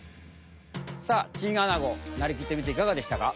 さあチンアナゴなりきってみていかがでしたか？